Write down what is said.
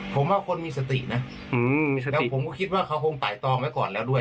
ผมว่าคนมีสตินะแล้วผมก็คิดว่าเขาคงไต่ตองไว้ก่อนแล้วด้วย